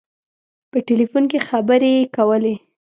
په ټلفون کې خبري کولې.